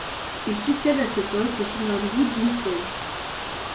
Il succède à ce poste au chinois Xu Yinsheng.